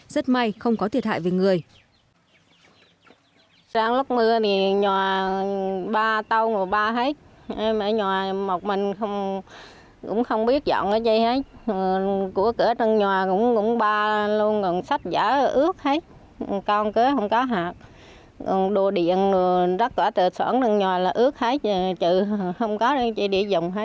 rất may không có thiệt hại về người